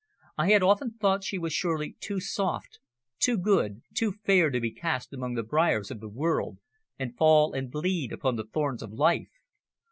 I had often thought she was surely too soft, too good, too fair to be cast among the briers of the world, and fall and bleed upon the thorns of life.